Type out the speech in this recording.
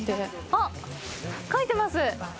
あっ、書いてます。